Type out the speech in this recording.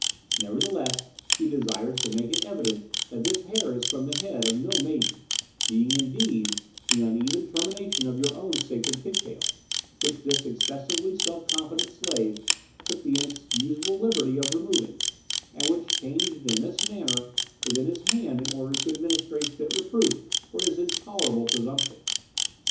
Nevertheless, he desires to make it evident that this hair is from the head of no maiden, being, indeed, the uneven termination of your own sacred pigtail, which this excessively self confident slave took the inexcusable liberty of removing, and which changed in this manner within his hand in order to administer a fit reproof for his intolerable presumption."